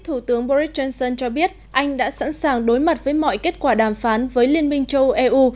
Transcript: thủ tướng boris johnson cho biết anh đã sẵn sàng đối mặt với mọi kết quả đàm phán với liên minh châu âu eu